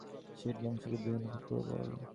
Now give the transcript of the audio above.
শেঠবংশ খুব ধনী, খুব প্রবল।